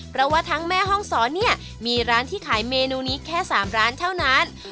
เพราะว่าทั้งแม่ห้องศรเนี่ยมีร้านที่ขายเมนูนี้แค่๓ร้านเท่านั้น